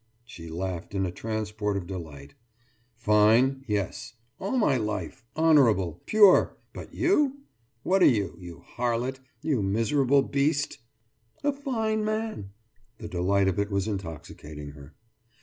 « She laughed in a transport of delight. »Fine? Yes. All my life! Honourable! Pure! But you? What are you, you harlot, you miserable beast?« »A fine man!« The delight of it was intoxicating her.